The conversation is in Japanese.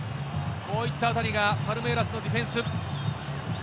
こういったあたりがパルメイラスのディフェンス。